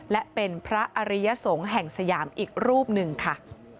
และเป็นพระอริยสงฆ์แห่งสยามอีกรูปหนึ่งค่ะ